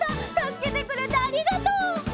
助けてくれてありがとう！」